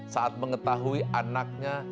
saat mengetahui anaknya